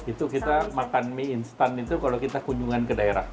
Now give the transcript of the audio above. itu kita makan mie instan itu kalau kita kunjungan ke daerah